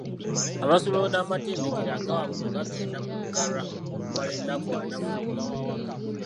Amasomero n’amatendekero aga waggulu gagenda kuggalwa okumala ennaku ana mu bbiri.